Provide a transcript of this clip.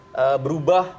apakah kemudian berubah